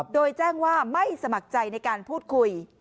โดยแจ้งว่าไม่สมัครใจในการพูดคุย